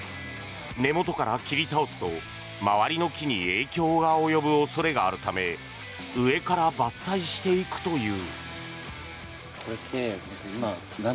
根元から切り倒すと、周りの木に影響が及ぶ恐れがあるため上から伐採していくという。